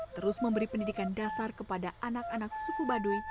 terus memberi pendidikan dasar kepada anak anak suku baduy